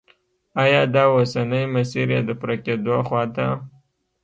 آیا دا اوسنی مسیر یې د پوره کېدو خواته